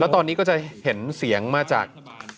ตอนนี้ก็จะเห็นเสียงมาจาก